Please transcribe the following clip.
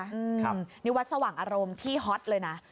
อืมนี่วัดสว่างอารมณ์ที่ฮอตเลยนะ